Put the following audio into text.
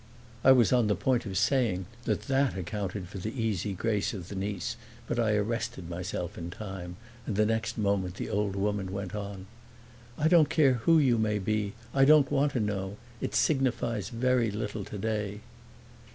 I was on the point of saying that that accounted for the easy grace of the niece, but I arrested myself in time, and the next moment the old woman went on: "I don't care who you may be I don't want to know; it signifies very little today."